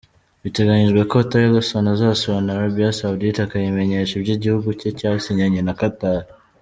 Biteganyijwe ko Tillerson azasura na Arabia Saudite akayimenyesha ibyo igihugu cye cyasinyanye na Qatar.